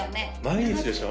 毎日でしょ？